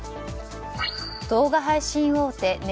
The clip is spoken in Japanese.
動画配信大手